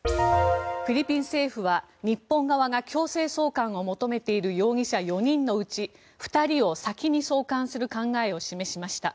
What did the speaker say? フィリピン政府は日本側が強制送還を求めている容疑者４人のうち２人を先に送還する考えを示しました。